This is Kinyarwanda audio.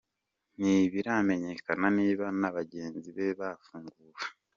Ntibiramenyekana niba na bagenzi be bafunguwe.